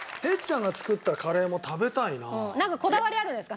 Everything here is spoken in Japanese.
なんかこだわりあるんですか？